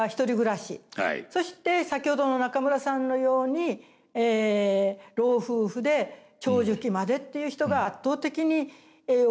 そして先ほどの中村さんのように老夫婦で長寿期までっていう人が圧倒的に多い。